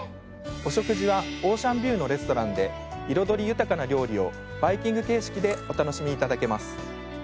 お食事はオーシャンビューのレストランで彩り豊かな料理をバイキング形式でお楽しみ頂けます。